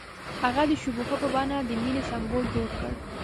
هغه د شګوفه په بڼه د مینې سمبول جوړ کړ.